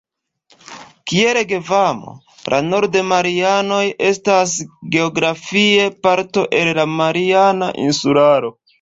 Kiel Gvamo, la Nord-Marianoj estas geografie parto el la Mariana insularo.